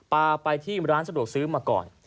ไปที่ร้านสะดวกซื้อมาก่อน